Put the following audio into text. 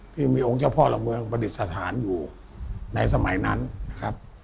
ที่มีองค์เจ้าพ่อหลักเมืองประดิษฐานอยู่ในสมัยนั้นนะครับ